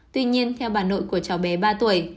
tuy nhiên theo bà nội của cháu bé ba tuổi